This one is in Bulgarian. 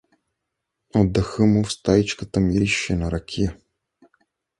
От дъха му в стаичката мирише на ракия.